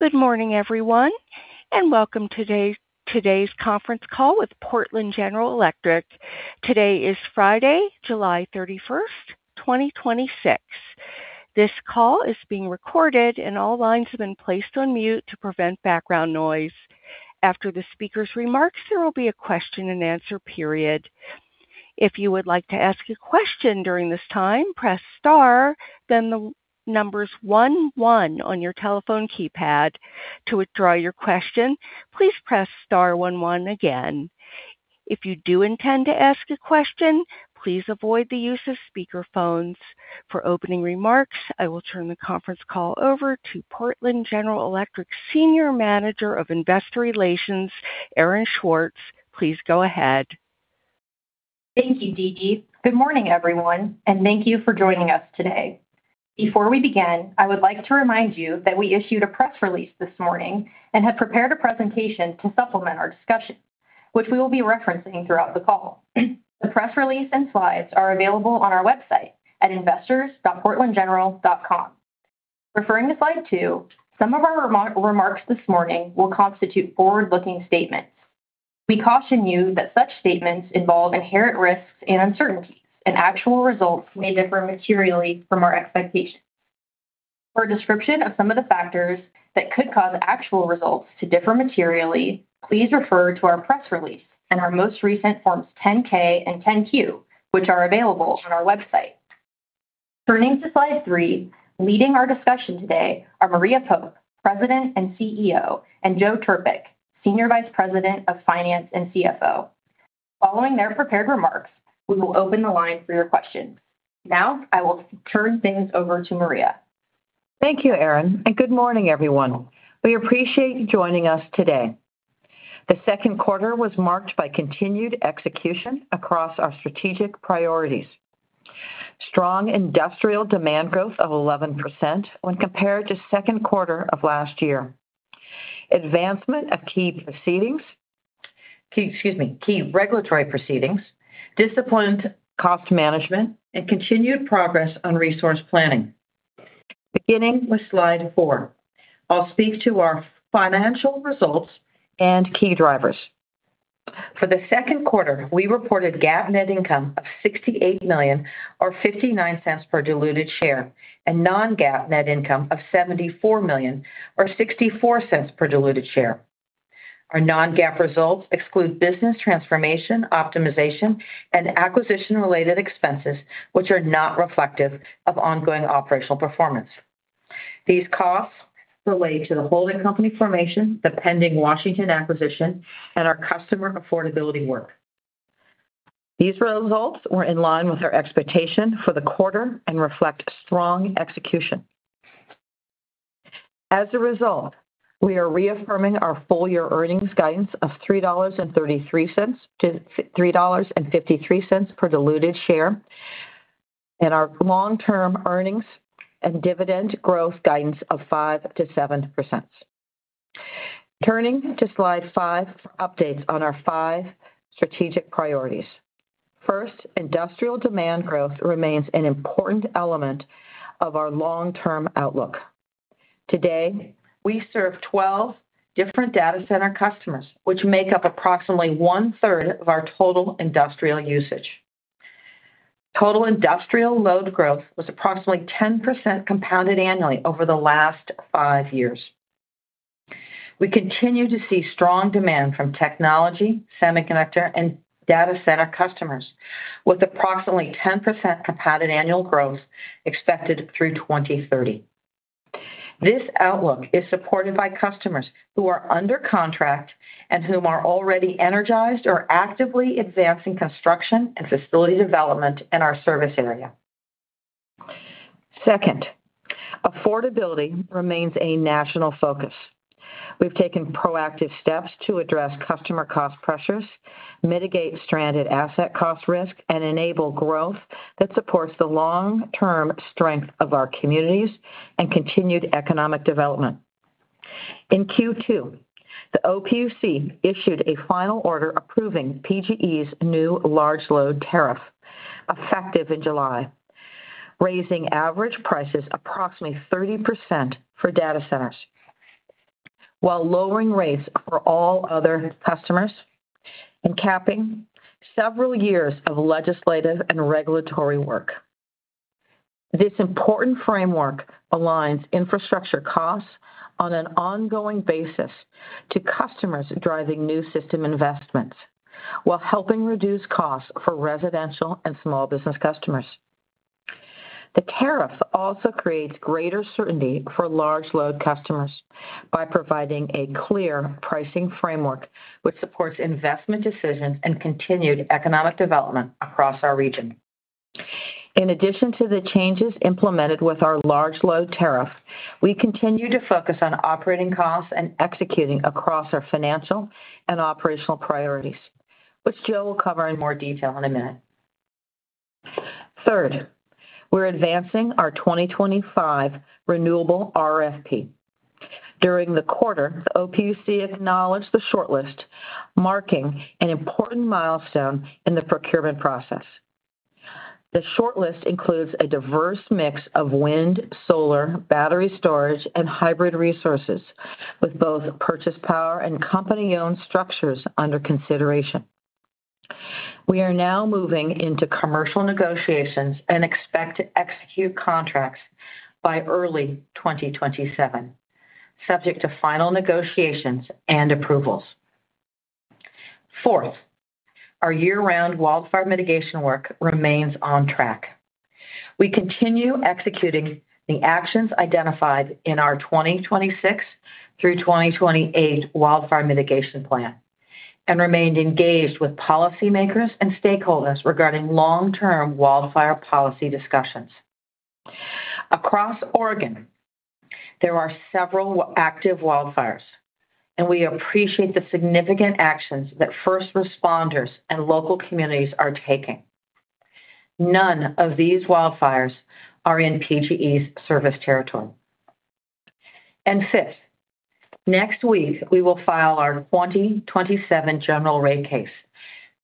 Good morning everyone, and welcome to today's conference call with Portland General Electric. Today is Friday, July 31st, 2026. This call is being recorded, and all lines have been placed on mute to prevent background noise. After the speaker's remarks, there will be a question-and-answer period. If you would like to ask a question during this time, press star, then the numbers one one on your telephone keypad. To withdraw your question, please press star one one again. If you do intend to ask a question, please avoid the use of speakerphones. For opening remarks, I will turn the conference call over to Portland General Electric Senior Manager of Investor Relations, Erin Schwartz. Please go ahead. Thank you, Dee Dee. Good morning, everyone, and thank you for joining us today. Before we begin, I would like to remind you that we issued a press release this morning and have prepared a presentation to supplement our discussion, which we will be referencing throughout the call. The press release and slides are available on our website at investors.portlandgeneral.com. Referring to slide two, some of our remarks this morning will constitute forward-looking statements. We caution you that such statements involve inherent risks and uncertainties, and actual results may differ materially from our expectations. For a description of some of the factors that could cause actual results to differ materially, please refer to our press release and our most recent forms 10-K and 10-Q, which are available on our website. Turning to slide three, leading our discussion today are Maria Pope, President and CEO, and Joe Trpik, Senior Vice President of Finance and CFO. Following their prepared remarks, we will open the line for your questions. Now, I will turn things over to Maria. Thank you, Erin, and good morning everyone. We appreciate you joining us today. The second quarter was marked by continued execution across our strategic priorities. Strong industrial demand growth of 11% when compared to second quarter of last year. Advancement of key proceedings, key regulatory proceedings, disciplined cost management, and continued progress on resource planning. Beginning with slide four, I'll speak to our financial results and key drivers. For the second quarter, we reported GAAP net income of $68 million or $0.59 per diluted share, and non-GAAP net income of $74 million or $0.64 per diluted share. Our non-GAAP results exclude business transformation, optimization, and acquisition-related expenses, which are not reflective of ongoing operational performance. These costs relate to the holding company formation, the pending Washington acquisition, and our customer affordability work. These results were in line with our expectation for the quarter and reflect strong execution. As a result, we are reaffirming our full-year earnings guidance of $3.33-$3.53 per diluted share and our long-term earnings and dividend growth guidance of 5%-7%. Turning to slide five for updates on our five strategic priorities. First, industrial demand growth remains an important element of our long-term outlook. Today, we serve 12 different data center customers, which make up approximately 1/3 of our total industrial usage. Total industrial load growth was approximately 10% compounded annually over the last five years. We continue to see strong demand from technology, semiconductor, and data center customers, with approximately 10% compounded annual growth expected through 2030. This outlook is supported by customers who are under contract and whom are already energized or actively advancing construction and facility development in our service area. Second, affordability remains a national focus. We've taken proactive steps to address customer cost pressures, mitigate stranded asset cost risk, and enable growth that supports the long-term strength of our communities and continued economic development. In Q2, the OPUC issued a final order approving PGE's new large load tariff effective in July, raising average prices approximately 30% for data centers, while lowering rates for all other customers and capping several years of legislative and regulatory work. This important framework aligns infrastructure costs on an ongoing basis to customers driving new system investments while helping reduce costs for residential and small business customers. The tariff also creates greater certainty for large load customers by providing a clear pricing framework which supports investment decisions and continued economic development across our region. In addition to the changes implemented with our large load tariff, we continue to focus on operating costs and executing across our financial and operational priorities, which Joe will cover in more detail in a minute. Third, we're advancing our 2025 renewable RFP. During the quarter, the OPUC acknowledged the shortlist, marking an important milestone in the procurement process. The shortlist includes a diverse mix of wind, solar, battery storage, and hybrid resources with both purchase power and company-owned structures under consideration. We are now moving into commercial negotiations and expect to execute contracts by early 2027, subject to final negotiations and approvals. Fourth, our year-round wildfire mitigation work remains on track. We continue executing the actions identified in our 2026 through 2028 wildfire mitigation plan and remained engaged with policymakers and stakeholders regarding long-term wildfire policy discussions. Across Oregon, there are several active wildfires, and we appreciate the significant actions that first responders and local communities are taking. None of these wildfires are in PGE's service territory. Fifth, next week we will file our 2027 general rate case.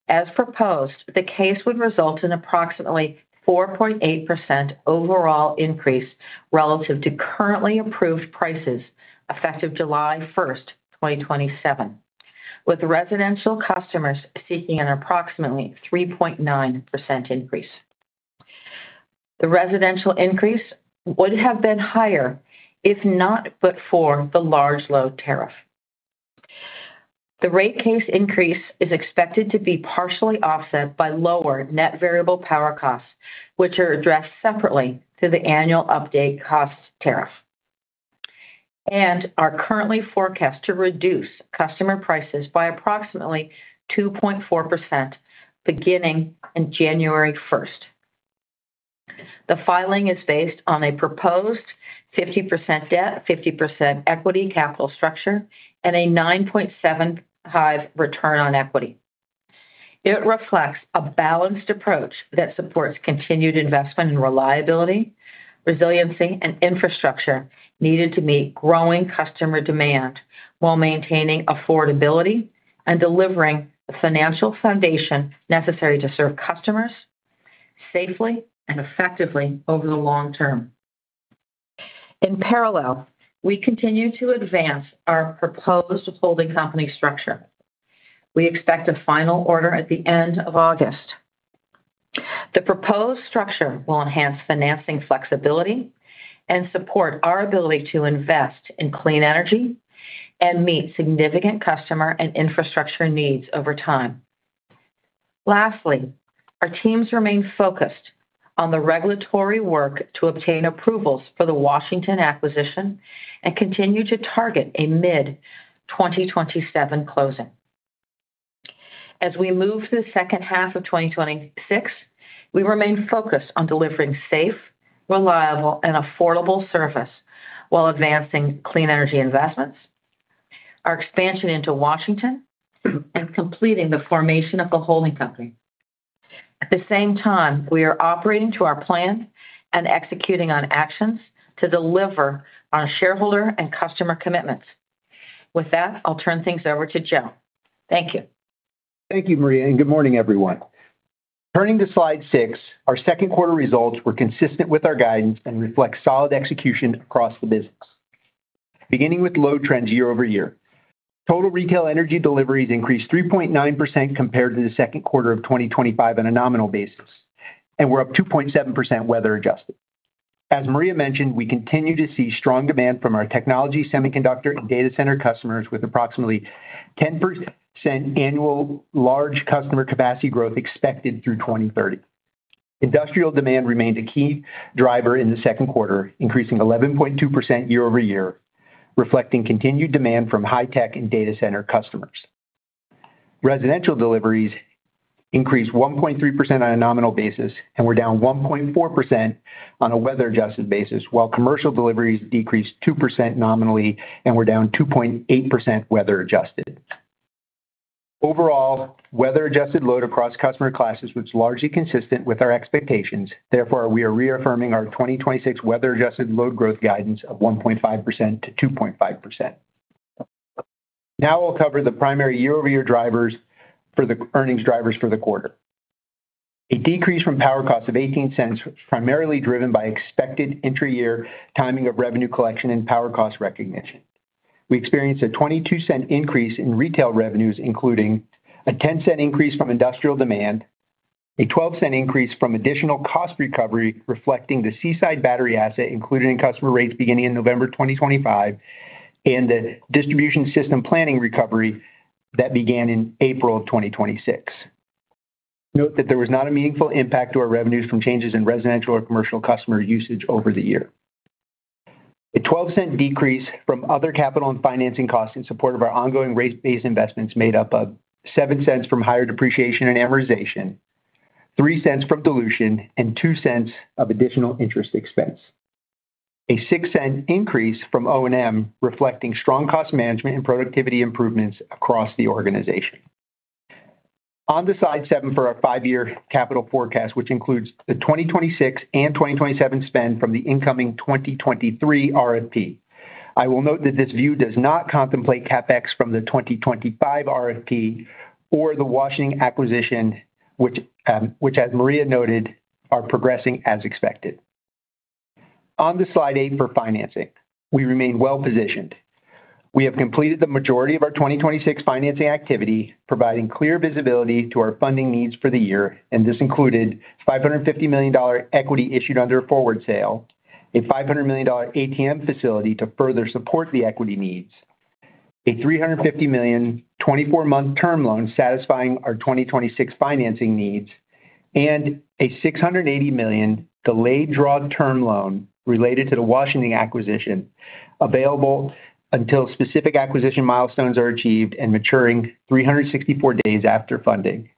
As proposed, the case would result in approximately 4.8% overall increase relative to currently approved prices effective July 1st, 2027, with residential customers seeking an approximately 3.9% increase. The residential increase would have been higher if not but for the large load tariff. The rate case increase is expected to be partially offset by lower net variable power costs, which are addressed separately through the annual update cost tariff and are currently forecast to reduce customer prices by approximately 2.4% beginning in January 1st. The filing is based on a proposed 50% debt, 50% equity capital structure, and a 9.75% return on equity. It reflects a balanced approach that supports continued investment in reliability, resiliency, and infrastructure needed to meet growing customer demand while maintaining affordability and delivering the financial foundation necessary to serve customers safely and effectively over the long-term. In parallel, we continue to advance our proposed holding company structure. We expect a final order at the end of August. The proposed structure will enhance financing flexibility and support our ability to invest in clean energy and meet significant customer and infrastructure needs over time. Lastly, our teams remain focused on the regulatory work to obtain approvals for the Washington acquisition and continue to target a mid-2027 closing. As we move through the second half of 2026, we remain focused on delivering safe, reliable, and affordable service while advancing clean energy investments, our expansion into Washington, and completing the formation of the holding company. At the same time, we are operating to our plan and executing on actions to deliver on our shareholder and customer commitments. With that, I'll turn things over to Joe. Thank you. Thank you, Maria, and good morning, everyone. Turning to slide six, our second quarter results were consistent with our guidance and reflect solid execution across the business. Beginning with load trends year-over-year, total retail energy deliveries increased 3.9% compared to the second quarter of 2025 on a nominal basis, and we're up 2.7% weather-adjusted. As Maria mentioned, we continue to see strong demand from our technology, semiconductor, and data center customers, with approximately 10% annual large customer capacity growth expected through 2030. Industrial demand remained a key driver in the second quarter, increasing 11.2% year-over-year, reflecting continued demand from high tech and data center customers. Residential deliveries increased 1.3% on a nominal basis and were down 1.4% on a weather-adjusted basis, while commercial deliveries decreased 2% nominally and were down 2.8% weather-adjusted. Overall, weather-adjusted load across customer classes was largely consistent with our expectations. Therefore, we are reaffirming our 2026 weather-adjusted load growth guidance of 1.5%-2.5%. Now we'll cover the primary year-over-year drivers for the earnings drivers for the quarter. A decrease from power cost of $0.18, primarily driven by expected intra-year timing of revenue collection and power cost recognition. We experienced a $0.22 increase in retail revenues, including a $0.10 increase from industrial demand, a $0.12 increase from additional cost recovery, reflecting the Seaside battery asset included in customer rates beginning in November 2025, and the distribution system planning recovery that began in April of 2026. Note that there was not a meaningful impact to our revenues from changes in residential or commercial customer usage over the year. A $0.12 decrease from other capital and financing costs in support of our ongoing rate base investments made up of $0.07 from higher depreciation and amortization, $0.03 from dilution, and $0.02 of additional interest expense. A $0.06 increase from O&M, reflecting strong cost management and productivity improvements across the organization. On to slide seven for our five-year capital forecast, which includes the 2026 and 2027 spend from the incoming 2023 RFP. I will note that this view does not contemplate CapEx from the 2025 RFP or the Washington acquisition, which, as Maria noted, are progressing as expected. On to slide eight for financing. We remain well-positioned. We have completed the majority of our 2026 financing activity, providing clear visibility to our funding needs for the year. This included $550 million equity issued under a forward sale, a $500 million ATM facility to further support the equity needs, a $350 million 24-month term loan satisfying our 2026 financing needs, and a $680 million delayed draw term loan related to the Washington acquisition, available until specific acquisition milestones are achieved and maturing 364 days after funding.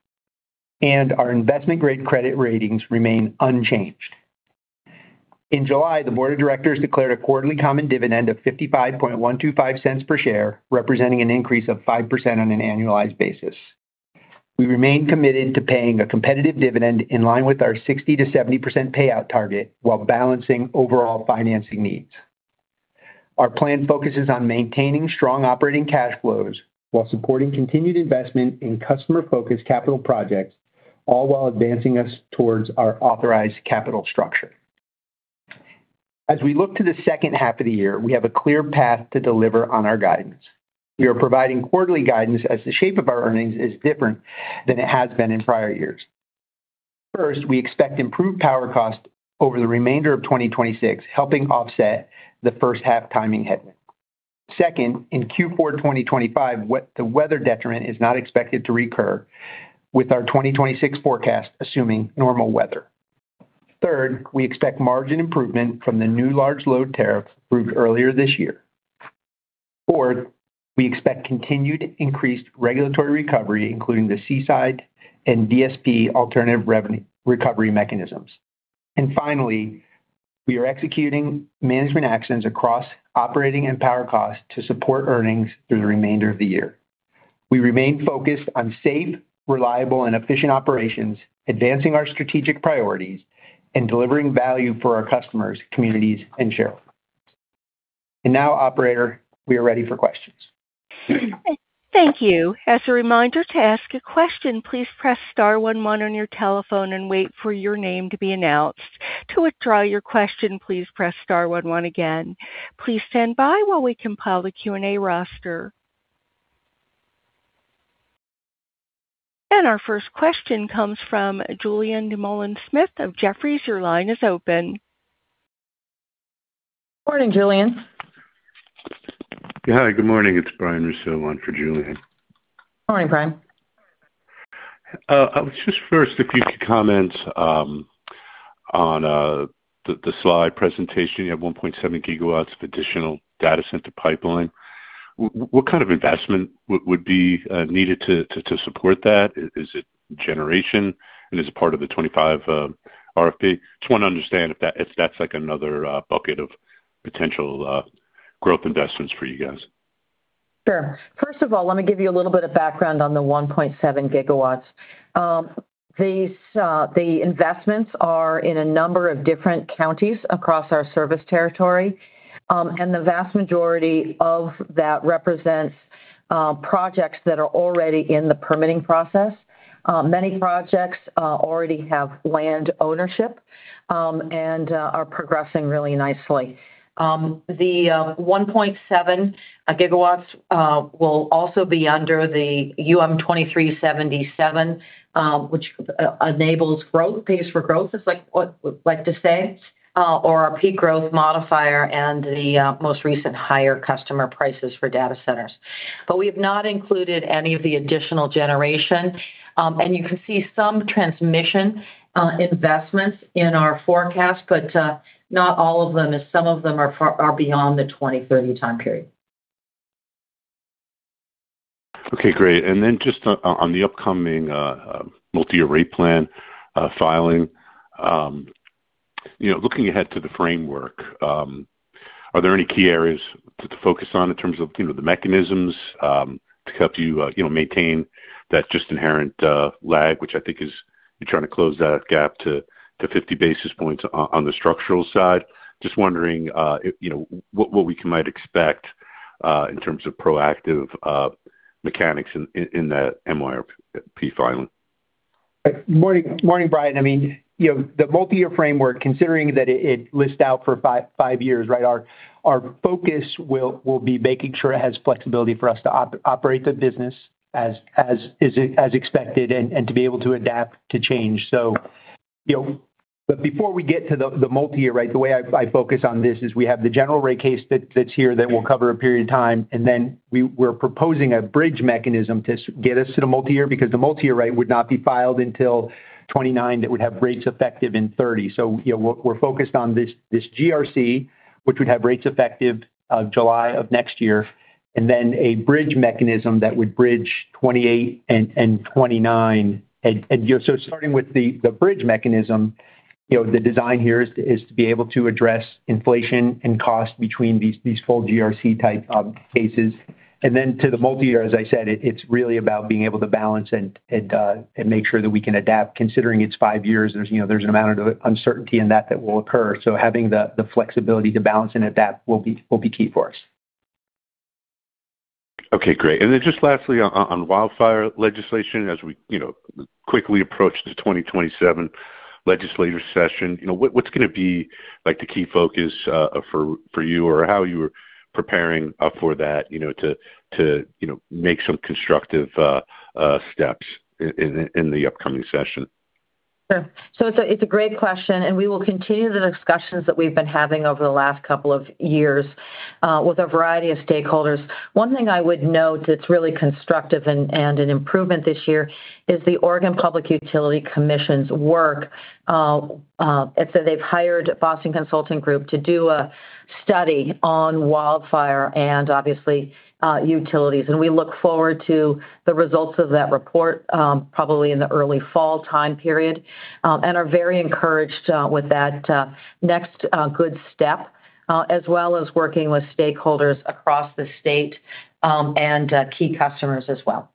Our investment-grade credit ratings remain unchanged. In July, the Board of Directors declared a quarterly common dividend of $0.55125 per share, representing an increase of 5% on an annualized basis. We remain committed to paying a competitive dividend in line with our 60%-70% payout target while balancing overall financing needs. Our plan focuses on maintaining strong operating cash flows while supporting continued investment in customer-focused capital projects, all while advancing us towards our authorized capital structure. As we look to the second half of the year, we have a clear path to deliver on our guidance. We are providing quarterly guidance as the shape of our earnings is different than it has been in prior years. First, we expect improved power cost over the remainder of 2026, helping offset the first half timing headwind. Second, in Q4 2025, the weather detriment is not expected to recur, with our 2026 forecast assuming normal weather. Third, we expect margin improvement from the new large load tariff approved earlier this year. Fourth, we expect continued increased regulatory recovery, including the Seaside and DSP alternative revenue recovery mechanisms. Finally, we are executing management actions across operating and power costs to support earnings through the remainder of the year. We remain focused on safe, reliable, and efficient operations, advancing our strategic priorities and delivering value for our customers, communities, and shareholders. Now, operator, we are ready for questions. Thank you. As a reminder, to ask a question, please press star one one on your telephone and wait for your name to be announced. To withdraw your question, please press star one one again. Please stand by while we compile the Q&A roster. Our first question comes from Julien Dumoulin-Smith of Jefferies. Your line is open. Morning, Julien. Yeah. Hi. Good morning. It's Brian Russo on for Julien. Morning, Brian. I was just first, if you could comment on the slide presentation, you have 1.7 GW of additional data center pipeline. What kind of investment would be needed to support that? Is it generation? Is it part of the 2025 RFP? Just want to understand if that's like another bucket of potential growth investments for you guys. Sure. First of all, let me give you a little bit of background on the 1.7 GW. The investments are in a number of different counties across our service territory, and the vast majority of that represents projects that are already in the permitting process. Many projects already have land ownership and are progressing really nicely. The 1.7 GW will also be under the UM 2377, which enables growth, pays for growth, is like what we like to say, or our Peak Growth Modifier and the most recent higher customer prices for data centers. We have not included any of the additional generation. You can see some transmission investments in our forecast, but not all of them, as some of them are beyond the 2030 time period. Okay, great. Then just on the upcoming multi- year rate plan filing. Looking ahead to the framework, are there any key areas to focus on in terms of the mechanisms to help you maintain that just inherent lag, which I think is you're trying to close that gap to 50 basis points on the structural side? Just wondering what we might expect in terms of proactive mechanics in that MYRP filing. Morning, Brian. The multi-year framework, considering that it lists out for five years, right? Our focus will be making sure it has flexibility for us to operate the business as expected and to be able to adapt to change. Before we get to the multi-year, the way I focus on this is we have the general rate case that's here that will cover a period of time, then we're proposing a bridge mechanism to get us to the multi-year because the multi-year rate would not be filed until 2029. That would have rates effective in 2030. We're focused on this GRC, which would have rates effective July of next year, then a bridge mechanism that would bridge 2028 and 2029. Starting with the bridge mechanism, the design here is to be able to address inflation and cost between these full GRC type cases. To the multi-year, as I said, it's really about being able to balance and make sure that we can adapt considering it's five years, there's an amount of uncertainty in that that will occur. Having the flexibility to balance and adapt will be key for us. Okay, great. Then just lastly on wildfire legislation, as we quickly approach the 2027 legislative session, what's going to be the key focus for you, or how you are preparing for that to make some constructive steps in the upcoming session? Sure. It's a great question, and we will continue the discussions that we've been having over the last couple of years with a variety of stakeholders. One thing I would note that's really constructive and an improvement this year is the Oregon Public Utility Commission's work. They've hired Boston Consulting Group to do a study on wildfire and obviously, utilities. We look forward to the results of that report, probably in the early fall time period, and are very encouraged with that next good step, as well as working with stakeholders across the state, and key customers as well.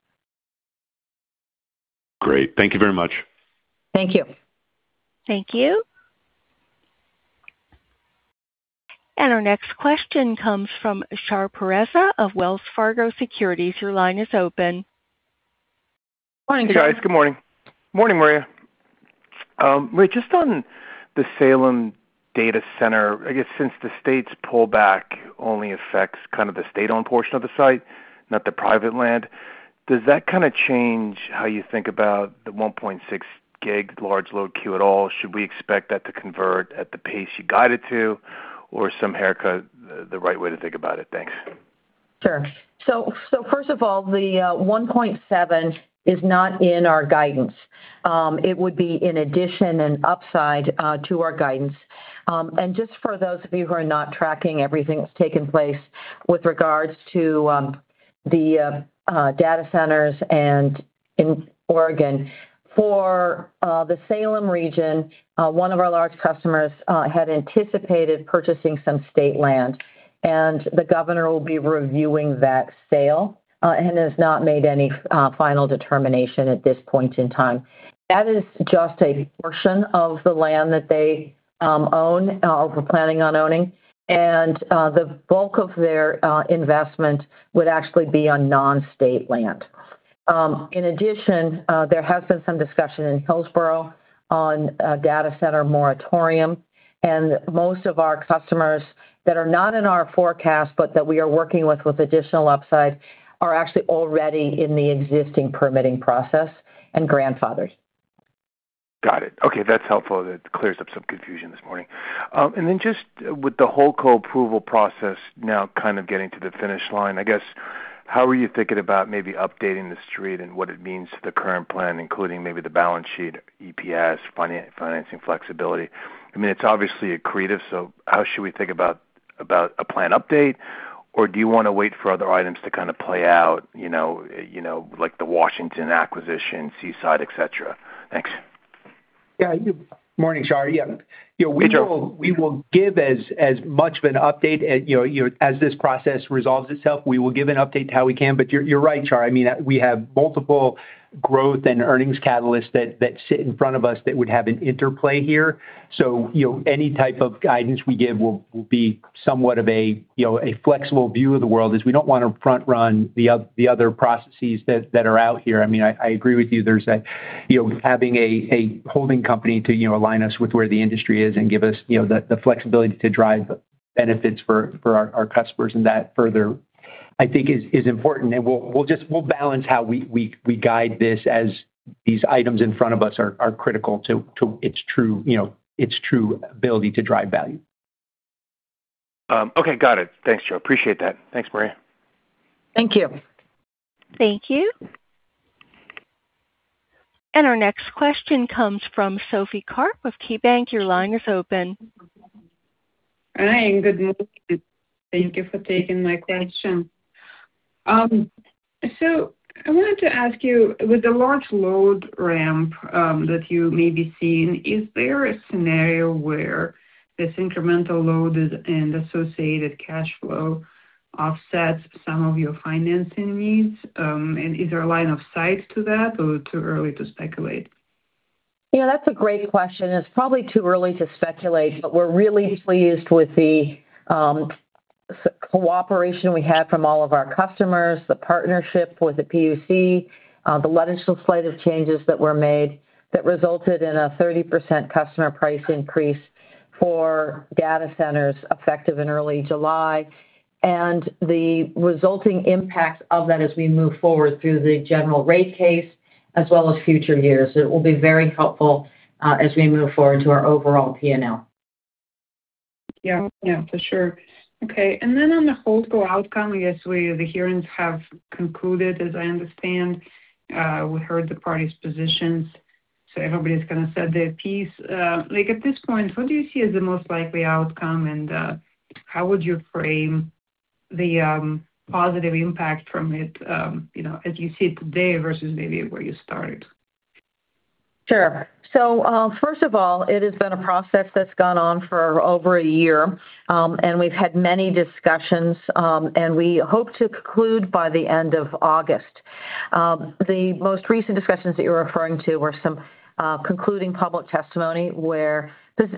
Great. Thank you very much. Thank you. Thank you. Our next question comes from Shar Pourreza of Wells Fargo Securities. Your line is open. Morning, guys. Good morning. Morning, Maria. Just on the Salem data center, I guess since the state's pullback only affects the state-owned portion of the site, not the private land, does that kind of change how you think about the 1.6 gig large load queue at all? Should we expect that to convert at the pace you guided to, or some haircut the right way to think about it? Thanks. Sure. First of all, the 1.7 GW is not in our guidance. It would be in addition and upside to our guidance. Just for those of you who are not tracking everything that's taken place with regards to the data centers in Oregon, for the Salem region, one of our large customers had anticipated purchasing some state land, and the Governor will be reviewing that sale and has not made any final determination at this point in time. That is just a portion of the land that they own, or were planning on owning. The bulk of their investment would actually be on non-state land. In addition, there has been some discussion in Hillsboro on a data center moratorium, and most of our customers that are not in our forecast, but that we are working with additional upside, are actually already in the existing permitting process and grandfathered. Got it. Okay, that's helpful. That clears up some confusion this morning. Just with the HoldCo approval process now kind of getting to the finish line, I guess, how are you thinking about maybe updating the street and what it means to the current plan, including maybe the balance sheet, EPS, financing flexibility? It's obviously accretive, how should we think about a plan update? Do you want to wait for other items to kind of play out, like the Washington acquisition, Seaside, et cetera? Thanks. Morning, Shar. Hey, Joe. We will give as much of an update as this process resolves itself. We will give an update how we can. You're right, Shar, we have multiple growth and earnings catalysts that sit in front of us that would have an interplay here. Any type of guidance we give will be somewhat of a flexible view of the world as we don't want to front-run the other processes that are out here. I agree with you. Having a holding company to align us with where the industry is and give us the flexibility to drive benefits for our customers and that further, I think, is important. We'll balance how we guide this as these items in front of us are critical to its true ability to drive value. Got it. Thanks, Joe. Appreciate that. Thanks, Maria. Thank you. Thank you. Our next question comes from Sophie Karp with KeyBanc. Your line is open. Hi, good morning. Thank you for taking my question. I wanted to ask you, with the large load ramp that you may be seeing, is there a scenario where this incremental load and associated cash flow offsets some of your financing needs? Is there a line of sight to that, or too early to speculate? Yeah, that's a great question. It's probably too early to speculate, but we're really pleased with the cooperation we had from all of our customers, the partnership with the PUC, the legislative changes that were made that resulted in a 30% customer price increase for data centers effective in early July, and the resulting impact of that as we move forward through the general rate case as well as future years. It will be very helpful as we move forward to our overall P&L. Yeah. For sure. Okay. On the HoldCo outcome, I guess the hearings have concluded, as I understand. We heard the parties' positions, everybody's kind of said their piece. At this point, what do you see as the most likely outcome, and how would you frame the positive impact from it, as you see it today versus maybe where you started? Sure. First of all, it has been a process that's gone on for over a year. We've had many discussions, and we hope to conclude by the end of August. The most recent discussions that you're referring to were some concluding public testimony where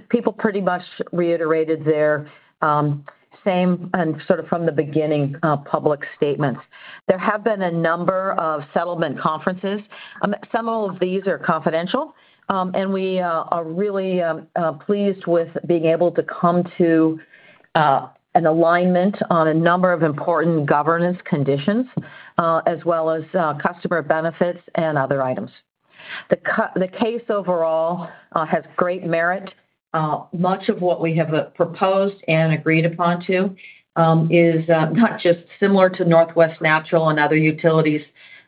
people pretty much reiterated their same, and sort of from the beginning, public statements. There have been a number of settlement conferences. Some of these are confidential. We are really pleased with being able to come to an alignment on a number of important governance conditions, as well as customer benefits and other items. The case overall has great merit. Much of what we have proposed and agreed upon to is not just similar to Northwest Natural and other utilities'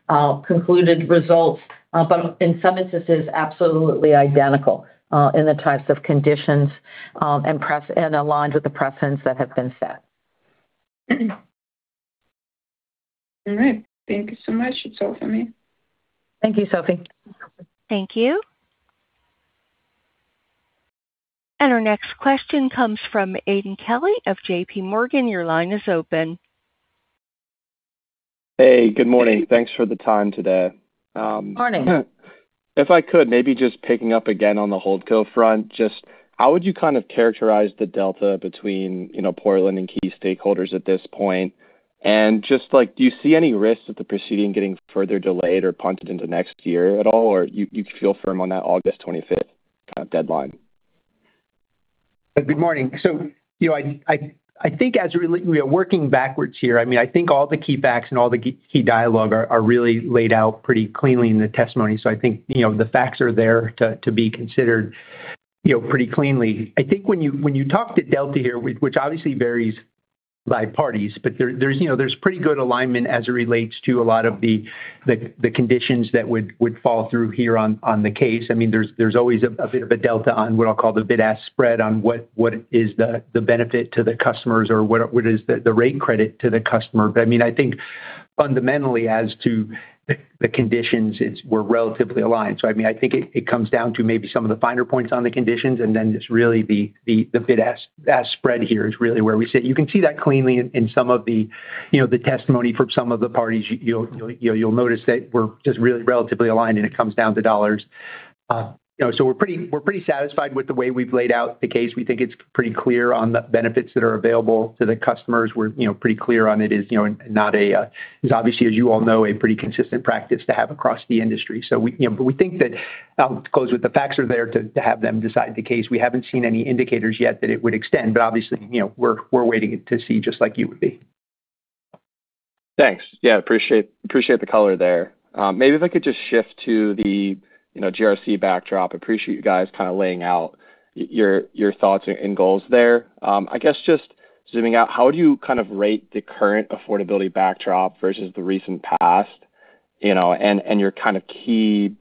concluded results, but in some instances, absolutely identical in the types of conditions and aligns with the precedents that have been set. All right. Thank you so much. It's all for me. Thank you, Sophie. Thank you. Our next question comes from Aidan Kelly of JPMorgan. Your line is open. Hey, good morning. Thanks for the time today. Morning. If I could, maybe just picking up again on the HoldCo front, just how would you kind of characterize the delta between Portland and key stakeholders at this point? Do you see any risks of the proceeding getting further delayed or punted into next year at all? Or you feel firm on that August 25th deadline? Good morning. I think as we are working backwards here, I think all the key facts and all the key dialogue are really laid out pretty cleanly in the testimony. I think the facts are there to be considered pretty cleanly. I think when you talk to Delta here, which obviously varies by parties, there's pretty good alignment as it relates to a lot of the conditions that would fall through here on the case. There's always a bit of a delta on what I'll call the bid-ask spread on what is the benefit to the customers or what is the rate credit to the customer. I think fundamentally as to the conditions, we're relatively aligned. I think it comes down to maybe some of the finer points on the conditions, and then just really the bid-ask spread here is really where we sit. You can see that cleanly in some of the testimony from some of the parties. You'll notice that we're just really relatively aligned, and it comes down to dollars. We're pretty satisfied with the way we've laid out the case. We think it's pretty clear on the benefits that are available to the customers. We're pretty clear on it, as obviously as you all know, a pretty consistent practice to have across the industry. We think that, I'll close with the facts are there to have them decide the case. We haven't seen any indicators yet that it would extend, but obviously, we're waiting to see just like you would be. Thanks. Appreciate the color there. Maybe if I could just shift to the GRC backdrop. Appreciate you guys kind of laying out your thoughts and goals there. I guess just zooming out, how would you kind of rate the current affordability backdrop versus the recent past, and your kind of key,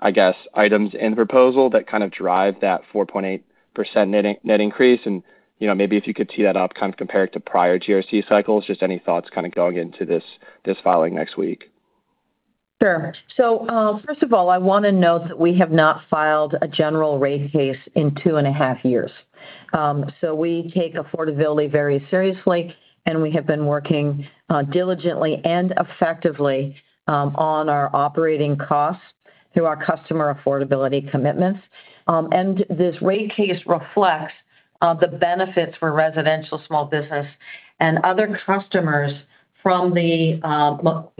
I guess, items in the proposal that kind of drive that 4.8% net increase? Maybe if you could tee that up kind of compared to prior GRC cycles, just any thoughts kind of going into this filing next week? Sure. First of all, I want to note that we have not filed a general rate case in two and a half years. We take affordability very seriously, and we have been working diligently and effectively on our operating costs through our customer affordability commitments. This rate case reflects the benefits for residential small business and other customers from the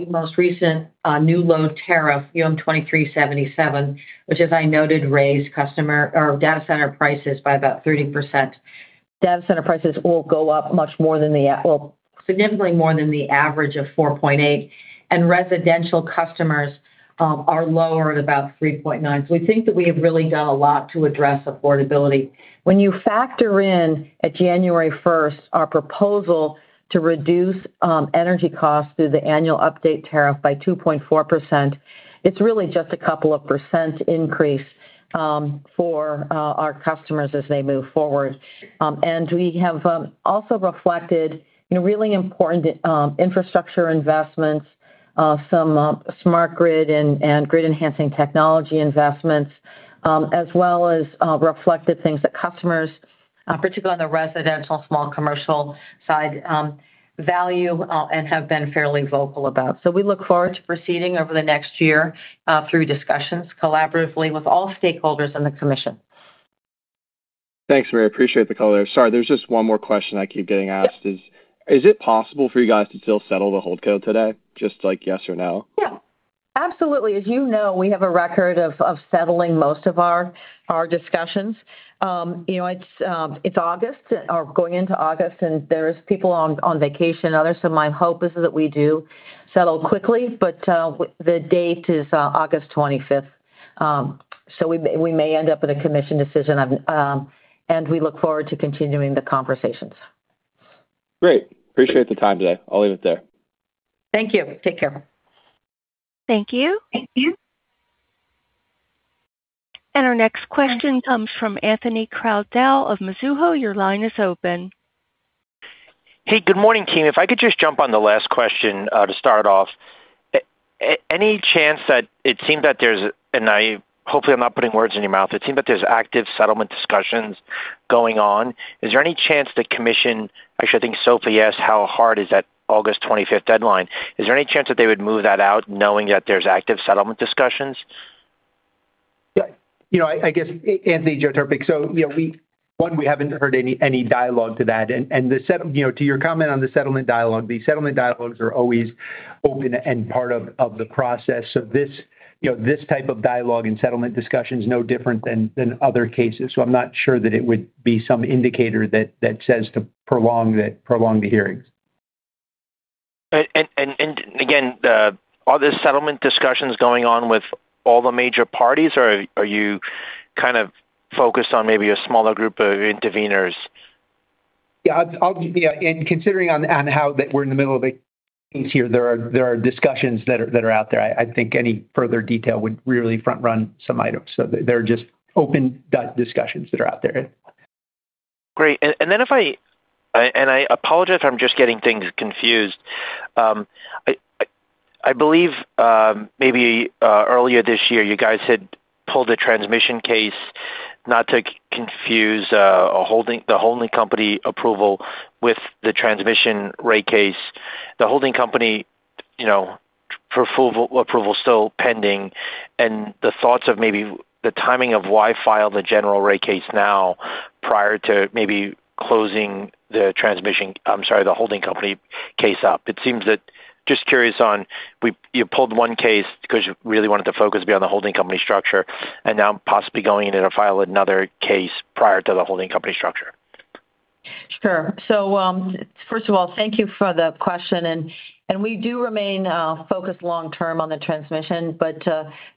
most recent new load tariff, UM 2377, which, as I noted, raised data center prices by about 30%. Data center prices will go up significantly more than the average of 4.8%, and residential customers are lower at about 3.9%. We think that we have really done a lot to address affordability. When you factor in at January 1st our proposal to reduce energy costs through the Annual Update Tariff by 2.4%, it's really just a couple of percent increase for our customers as they move forward. We have also reflected really important infrastructure investments, some smart grid and grid enhancing technology investments, as well as reflected things that customers, particularly on the residential small commercial side, value and have been fairly vocal about. We look forward to proceeding over the next year through discussions collaboratively with all stakeholders in the Commission. Thanks, Maria. Appreciate the color there. Sorry, there's just one more question I keep getting asked is: Is it possible for you guys to still settle the HoldCo today? Just like yes or no? Yes. Absolutely. As you know, we have a record of settling most of our discussions. It's August, or going into August, there's people on vacation and others, my hope is that we do settle quickly, but the date is August 25th. We may end up in a commission decision, and we look forward to continuing the conversations. Great. Appreciate the time today. I'll leave it there. Thank you. Take care. Thank you. Thank you. Our next question comes from Anthony Crowdell of Mizuho. Your line is open. Hey, good morning, team. If I could just jump on the last question to start off. Any chance that it seemed that there's, and hopefully I'm not putting words in your mouth, it seemed that there's active settlement discussions going on, is there any chance the commission, actually, I think Sophie asked how hard is that August 25th deadline? Is there any chance that they would move that out knowing that there's active settlement discussions? Yeah. I guess, Anthony, Joe Trpik here. One, we haven't heard any dialogue to that. To your comment on the settlement dialogue, the settlement dialogues are always open and part of the process. This type of dialogue and settlement discussion's no different than other cases. I'm not sure that it would be some indicator that says to prolong the hearings. Again, are there settlement discussions going on with all the major parties, or are you kind of focused on maybe a smaller group of interveners? Yeah. Considering on how that we're in the middle of it here, there are discussions that are out there. I think any further detail would really front run some items. They're just open discussions that are out there. Great. I apologize if I'm just getting things confused. I believe, maybe earlier this year, you guys had pulled the transmission case not to confuse the holding company approval with the transmission rate case. The holding company, you know, approval still pending, and the thoughts of maybe the timing of why file the general rate case now prior to maybe closing, I am sorry, the holding company case up. Just curious on, you pulled one case because you really wanted the focus to be on the holding company structure, and now possibly going in to file another case prior to the holding company structure. Sure. First of all, thank you for the question, and we do remain focused long-term on the transmission.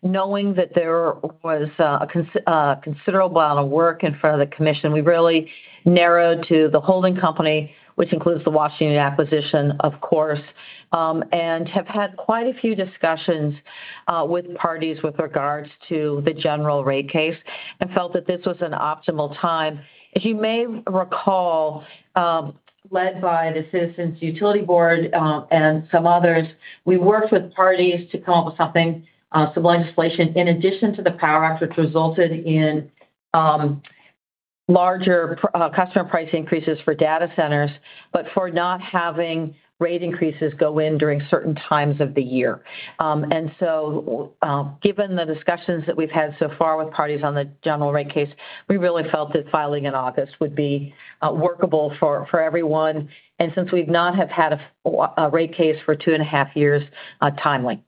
Knowing that there was a considerable amount of work in front of the Commission, we really narrowed to the holding company, which includes the Washington acquisition, of course, and have had quite a few discussions with parties with regards to the general rate case and felt that this was an optimal time. If you may recall, led by the Citizens Utility Board, and some others, we worked with parties to come up with something, some legislation in addition to the POWER Act, which resulted in larger customer price increases for data centers, but for not having rate increases go in during certain times of the year. Given the discussions that we've had so far with parties on the general rate case, we really felt that filing in August would be workable for everyone. Since we've not have had a rate case for two and a half years, timely.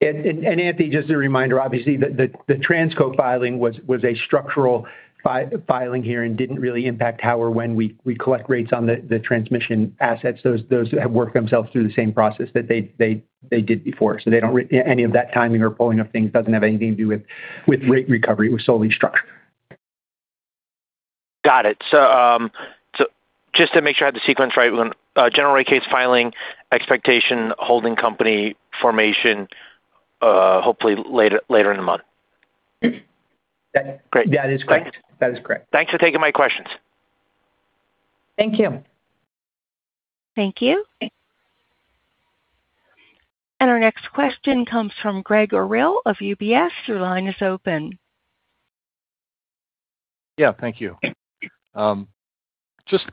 Anthony, just a reminder, obviously, the Transco filing was a structural filing hearing, didn't really impact how or when we collect rates on the transmission assets. Those have worked themselves through the same process that they did before. Any of that timing or pulling of things doesn't have anything to do with rate recovery. It was solely structure. Got it. Just to make sure I have the sequence right. General rate case filing expectation, holding company formation, hopefully later in the month. Great. That is correct. Thanks. That is correct. Thanks for taking my questions. Thank you. Thank you. Our next question comes from Gregg Orrill of UBS. Your line is open. Yeah, thank you. Just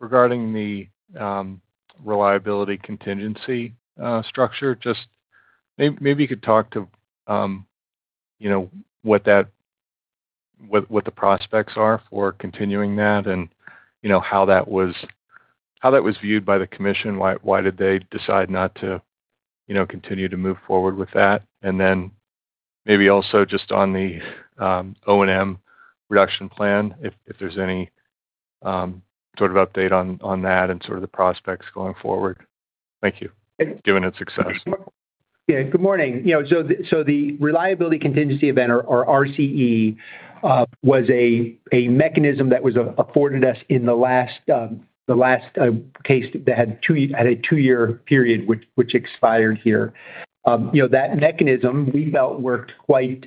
regarding the reliability contingency structure, just maybe you could talk to what the prospects are for continuing that and how that was viewed by the commission. Why did they decide not to continue to move forward with that? Then maybe also just on the O&M reduction plan, if there's any sort of update on that and sort of the prospects going forward. Thank you. Given its success. Yeah. Good morning. The Reliability Contingency Event, or RCE, was a mechanism that was afforded us in the last case that had a two-year period which expired here. That mechanism, we felt, worked quite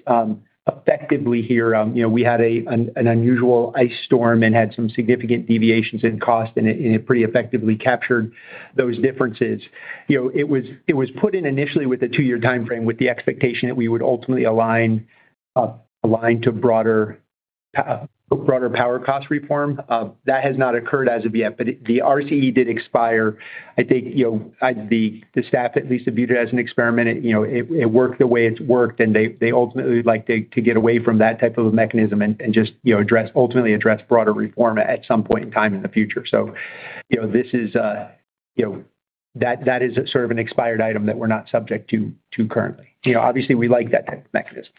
effectively here. We had an unusual ice storm and had some significant deviations in cost, and it pretty effectively captured those differences. It was put in initially with a two-year timeframe with the expectation that we would ultimately align to broader power cost reform. That has not occurred as of yet, but the RCE did expire. I think, the staff at least viewed it as an experiment. It worked the way it's worked, and they ultimately would like to get away from that type of a mechanism and just ultimately address broader reform at some point in time in the future. That is sort of an expired item that we're not subject to currently. Obviously, we like that type of mechanism.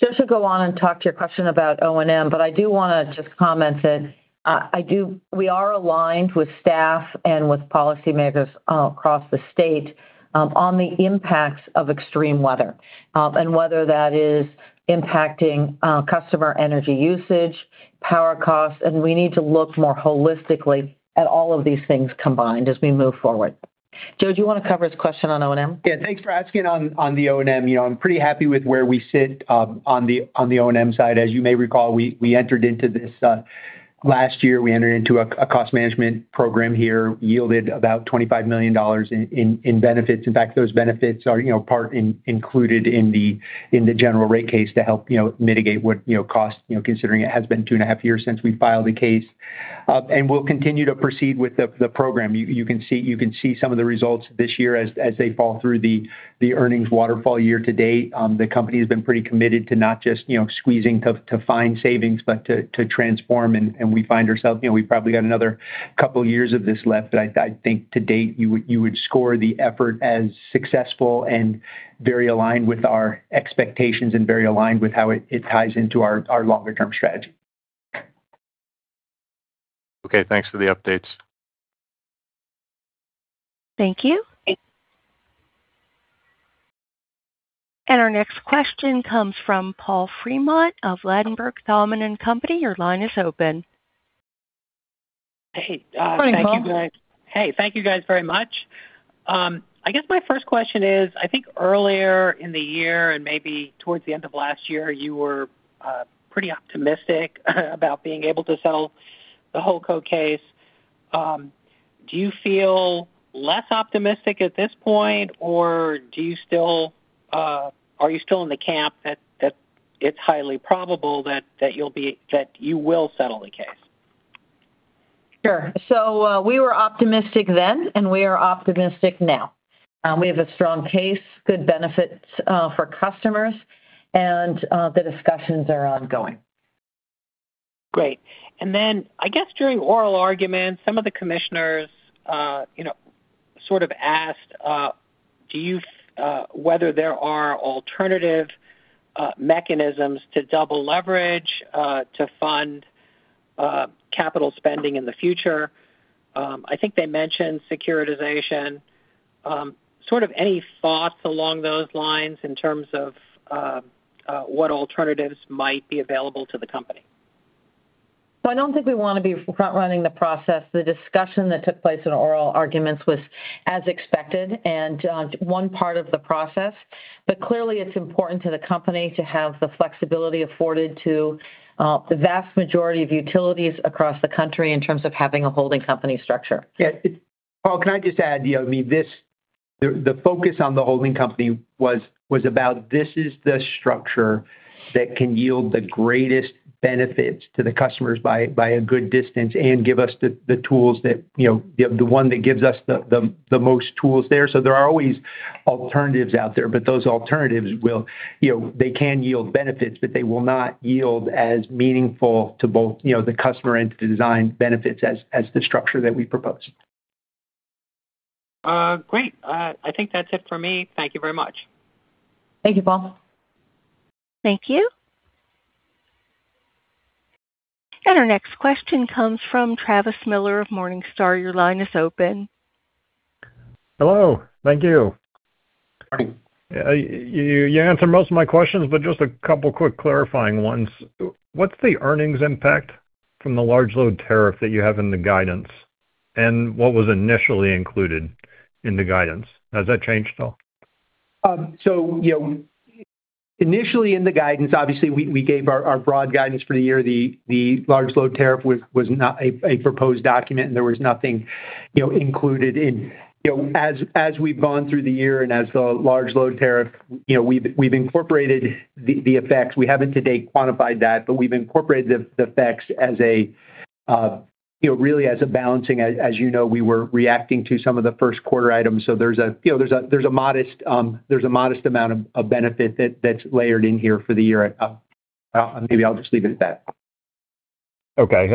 Joe, I should go on and talk to your question about O&M. I do want to just comment that we are aligned with staff and with policymakers across the state on the impacts of extreme weather, and whether that is impacting customer energy usage, power costs, and we need to look more holistically at all of these things combined as we move forward. Joe, do you want to cover his question on O&M? Yeah. Thanks for asking on the O&M. I'm pretty happy with where we sit on the O&M side. As you may recall, Last year, we entered into a cost management program here, yielded about $25 million in benefits. In fact, those benefits are part included in the general rate case to help mitigate what costs, considering it has been two and a half years since we filed a case. We'll continue to proceed with the program. You can see some of the results this year as they fall through the earnings waterfall year-to-date. The company has been pretty committed to not just squeezing to find savings, but to transform, and we find ourselves, we've probably got another couple years of this left. I think to date, you would score the effort as successful and very aligned with our expectations and very aligned with how it ties into our longer-term strategy. Okay. Thanks for the updates. Thank you. Our next question comes from Paul Fremont of Ladenburg Thalmann & Company. Your line is open. Hey. Morning, Paul. Thank you, guys. Hey, thank you guys very much. I guess my first question is, I think earlier in the year and maybe towards the end of last year, you were pretty optimistic about being able to settle the HoldCo case. Do you feel less optimistic at this point or are you still in the camp that it's highly probable that you will settle the case? Sure. We were optimistic then, and we are optimistic now. We have a strong case, good benefits for customers, the discussions are ongoing. Great. I guess during oral arguments, some of the commissioners sort of asked whether there are alternative mechanisms to double leverage to fund capital spending in the future. I think they mentioned securitization. Sort of any thoughts along those lines in terms of what alternatives might be available to the company? I don't think we want to be front-running the process. The discussion that took place in oral arguments was as expected and one part of the process. Clearly, it's important to the company to have the flexibility afforded to the vast majority of utilities across the country in terms of having a holding company structure. Yeah. Paul, can I just add, the focus on the holding company was about this is the structure that can yield the greatest benefits to the customers by a good distance and the one that gives us the most tools there. There are always alternatives out there, those alternatives, they can yield benefits, they will not yield as meaningful to both the customer and to design benefits as the structure that we proposed. Great. I think that's it for me. Thank you very much. Thank you, Paul. Thank you. Our next question comes from Travis Miller of Morningstar. Your line is open. Hello. Thank you. You answered most of my questions, but just a couple quick clarifying ones. What's the earnings impact from the large load tariff that you have in the guidance, and what was initially included in the guidance? Has that changed at all? Initially in the guidance, obviously, we gave our broad guidance for the year. The large load tariff was a proposed document, and there was nothing included in. As we've gone through the year and as the large load tariff, we've incorporated the effects. We haven't to date quantified that, but we've incorporated the effects really as a balancing. As you know, we were reacting to some of the first quarter items. There's a modest amount of benefit that's layered in here for the year. Maybe I'll just leave it at that. Okay.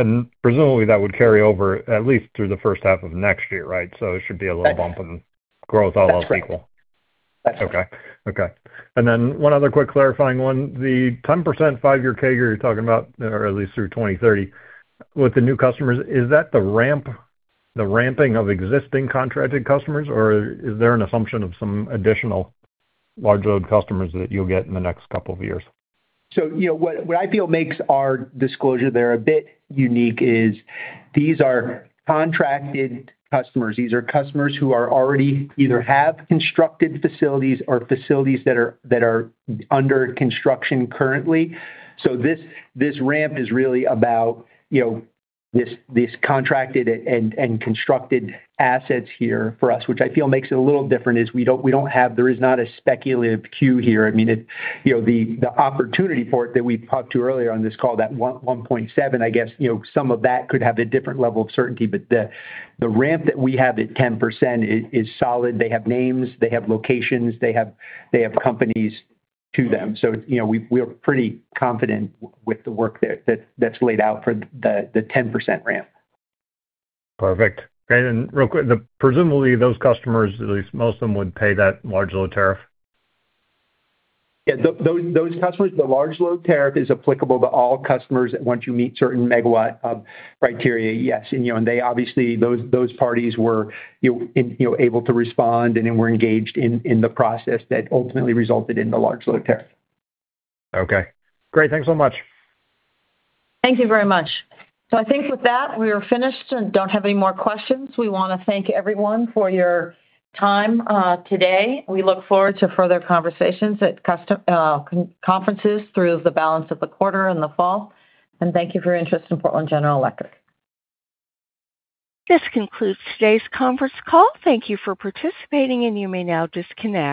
Presumably, that would carry over at least through the first half of next year, right? It should be a little bump in growth all else equal. That's right. Okay. One other quick clarifying one. The 10% five-year CAGR you're talking about, or at least through 2030, with the new customers, is that the ramping of existing contracted customers, or is there an assumption of some additional large load customers that you'll get in the next couple of years? What I feel makes our disclosure there a bit unique is these are contracted customers. These are customers who are already either have constructed facilities or facilities that are under construction currently. This ramp is really about these contracted and constructed assets here for us, which I feel makes it a little different, is there is not a speculative queue here. The opportunity port that we talked to earlier on this call, that 1.7 GW, I guess some of that could have a different level of certainty, the ramp that we have at 10% is solid. They have names, they have locations, they have companies to them. We are pretty confident with the work that's laid out for the 10% ramp. Perfect. Real quick, presumably those customers, at least most of them, would pay that large load tariff? Yeah. Those customers, the large load tariff is applicable to all customers once you meet certain megawatt criteria, yes. Obviously, those parties were able to respond and then were engaged in the process that ultimately resulted in the large load tariff. Okay. Great. Thanks so much. Thank you very much. I think with that, we are finished and don't have any more questions. We want to thank everyone for your time today. We look forward to further conversations at conferences through the balance of the quarter and the fall. Thank you for your interest in Portland General Electric. This concludes today's conference call. Thank you for participating, and you may now disconnect.